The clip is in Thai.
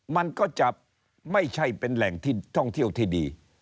มันก็จะไม่ใช่เป็นแหล่งที่ท่องเที่ยวที่ดี